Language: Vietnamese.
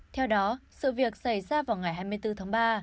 theo đó sự việc xảy ra vào ngày hai mươi bốn tháng ba